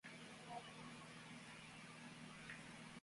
Además es jurado en la selección nacional, Festivali i Këngës.